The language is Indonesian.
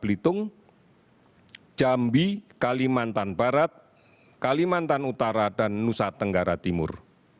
belitung jambi kalimantan barat kalimantan utara dan nusa tenggara timur